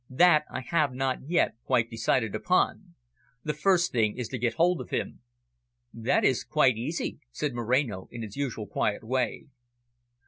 "That I have not yet quite decided upon. The first thing is to get hold of him." "That is quite easy," said Moreno in his usual quiet way.